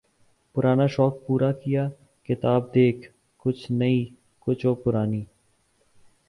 پرانا شوق پورا کیا ، کتاب دیکھ ، کچھ نئی ، کچھ و پرانی